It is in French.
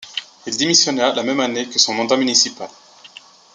Il démissionna la même année de son mandat municipal.